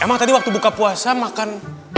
emang tadi waktu buka puasa makan